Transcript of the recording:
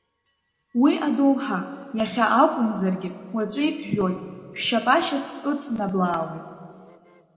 Уи адоуҳа, иахьа акәымзаргьы, уаҵәы иԥжәоит, шәшьап ашьац ыҵнаблаауеит…